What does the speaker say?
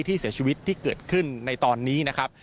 ที่เสียชีวิตที่เกิดขึ้นในตอนนี้นะครับ